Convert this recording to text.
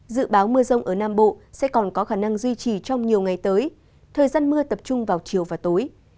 dự báo mưa rông ở nam bộ sẽ còn có khả năng duy trì trong nhiều ngày tới thời gian mưa tập trung vào chiều và tối